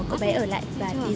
cậu bé ở lại và đi ra ngoài